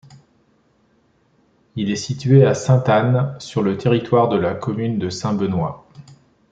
Il est situé à Sainte-Anne, sur le territoire de la commune de Saint-Benoît.